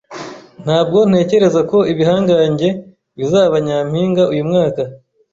Ntabwo ntekereza ko Ibihangange bizaba nyampinga uyu mwaka.